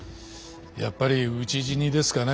やっぱり討ち死にですかね。